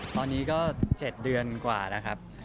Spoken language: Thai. ตอนนี้ก็๗เดือนกว่าแล้วครับ